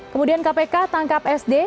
kemudian kpk tangkap sd